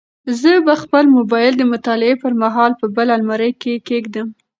زه به خپل موبایل د مطالعې پر مهال په بل المارۍ کې کېږدم.